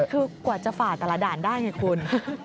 คือกว่าจะฝ่าแต่ละด่านได้ไงคุณ